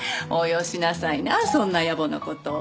およしなさいなそんなやぼな事。